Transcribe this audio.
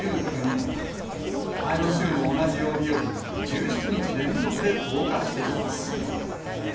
前の週の同じ曜日より１７日連続で増加しています。